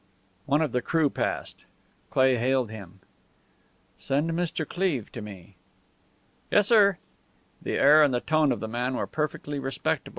One of the crew passed. Cleigh hailed him. "Send Mr. Cleve to me." "Yes, sir." The air and the tone of the man were perfectly respectful.